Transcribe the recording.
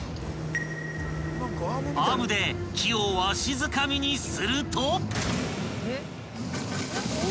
［アームで木をわしづかみにすると］